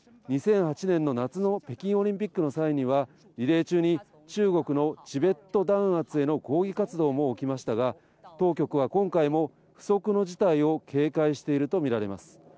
２００８年の夏の北京オリンピックの際にはリレー中に中国のチベット弾圧への抗議活動も起きましたが当局は今回も不測の事態を警戒しているとみられます。